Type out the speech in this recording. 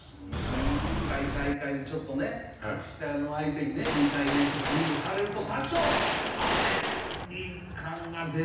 でも国際大会でちょっとね格下の相手にね２対０とかリードされると多少焦り感が出るような。